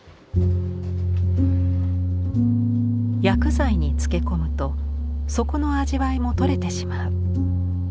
薬剤につけ込むと底の味わいも取れてしまう。